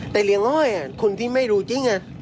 แต่เรียงเห้าคุณที่ไม่รู้จริง